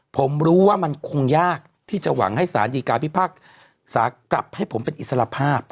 ผมรู้ว่ามันคงยากที่จะหวังให้สารดีการพิพากษากลับให้ผมเป็นอิสระภาพ